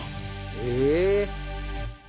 ええ。